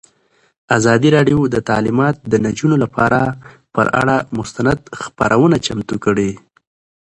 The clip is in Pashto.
ازادي راډیو د تعلیمات د نجونو لپاره پر اړه مستند خپرونه چمتو کړې.